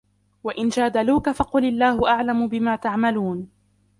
وَإِنْ جَادَلُوكَ فَقُلِ اللَّهُ أَعْلَمُ بِمَا تَعْمَلُونَ